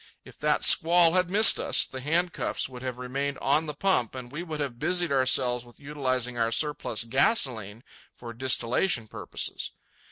If that squall had missed us, the handcuffs would have remained on the pump, and we would have busied ourselves with utilizing our surplus gasolene for distillation purposes.